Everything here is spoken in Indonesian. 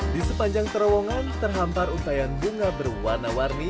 di sepanjang terowongan terhampar untayan bunga berwarna warni